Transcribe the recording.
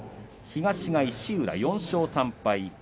東が石浦４勝３敗。